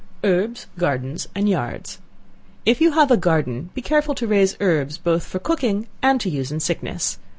Herbs, Gardens and Yards. If you have a garden, be careful to raise herbs, both for cooking and to use in sickness.